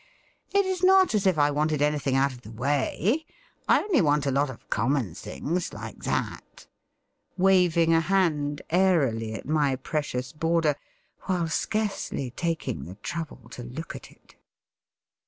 It is not as if I wanted anything out of the way; I only want a lot of common things like that," waving a hand airily at my precious border, while scarcely taking the trouble to look at it.